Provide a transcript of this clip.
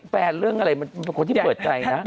เรื่องอะไรมันเป็นคนที่เปิดใจนะ